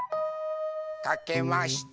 かけました。